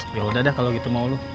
yaudah dah kalo gitu mau lo